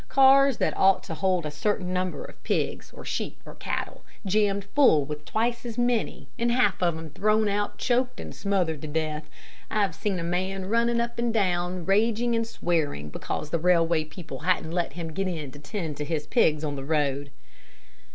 Cars that ought to hold a certain number of pigs, or sheep, or cattle, jammed full with twice as many, and half of 'em thrown out choked and smothered to death. I've seen a man running up and down, raging and swearing because the railway people hadn't let him get in to tend to his pigs on the road."